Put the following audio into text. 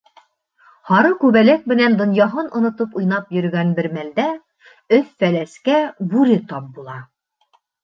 Һары күбәләк менән донъяһын онотоп уйнап йөрөгән бер мәлдә Өф-Фәләскә бүре тап була.